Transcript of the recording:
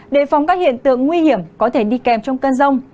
đề phóng các hiện tượng nguy hiểm có thể đi kèm trong cơn rông